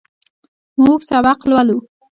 موږ سبق لولو.